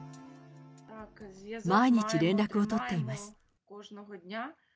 毎日連絡を取っています。